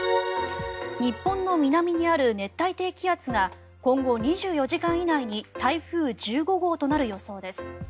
日本の南にある熱帯低気圧が今後２４時間以内に台風１５号となる予想です。